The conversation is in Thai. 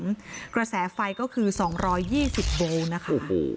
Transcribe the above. กระแสไฟก็คือ๒๒๐โวลนะคะ